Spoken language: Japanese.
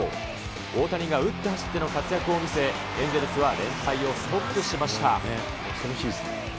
大谷が打って走っての活躍を見せ、見せ、エンゼルスは連敗をストップしました。